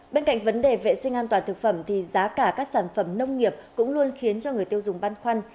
bên cạnh vấn đề vệ sinh an toàn thực phẩm thì giá cả các sản phẩm nông nghiệp cũng luôn khiến cho người tiêu dùng băn khoăn